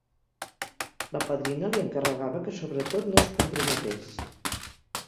La padrina li encarregava que sobretot no es comprometés